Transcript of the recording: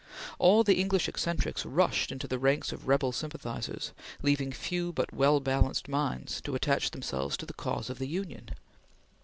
All the English eccentrics rushed into the ranks of rebel sympathizers, leaving few but well balanced minds to attach themselves to the cause of the Union.